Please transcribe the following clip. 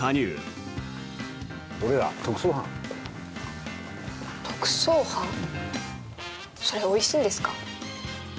それ、おいしいんですか？